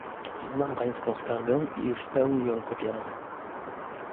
Znam Pańską skargę i w pełni ją popieram